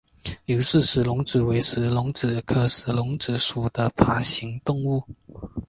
刘氏石龙子为石龙子科石龙子属的爬行动物。